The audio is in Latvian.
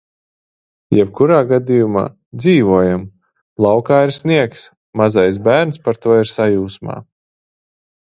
Jebkurā gadījumā - dzīvojam! laukā ir sniegs. mazais bērns par to ir sajūsmā.